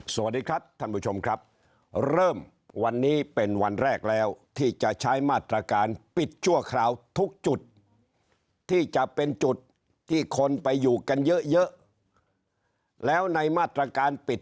สวัสดีครับท่านผู้ชมครับเริ่มวันนี้เป็นวันแรกแล้วที่จะใช้มาตรการปิดชั่วคราวทุกจุดที่จะเป็นจุดที่คนไปอยู่กันเยอะเยอะแล้วในมาตรการปิด